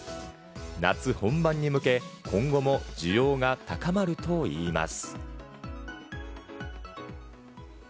夏本番に向け、今後も需要が高まるといいます。